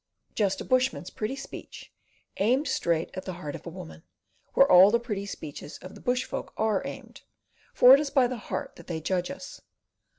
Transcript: Just a bushman's pretty speech, aimed straight at the heart of a woman, where all the pretty speeches of the bushfolk are aimed; for it is by the heart that they judge us.